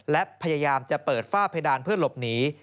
และพยายามจะเปิดฝ้าเพดานเพื่อหลบหนี